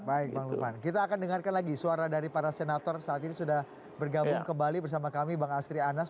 baik bang lukman kita akan dengarkan lagi suara dari para senator saat ini sudah bergabung kembali bersama kami bang astri anas